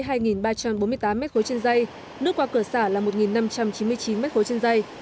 trước khi xả đáy cửa số một tính đến một mươi ba bốn mươi tám m ba trên dây nước qua cửa xả là một năm trăm chín mươi chín m ba trên dây